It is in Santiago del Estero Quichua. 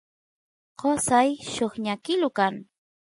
qosay lluqñakilu kan